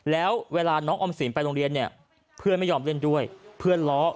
แล้วเวลาน้องออมสินไปโรงเรียนเนี่ยเพื่อนไม่ยอมเล่นด้วยเพื่อนล้อ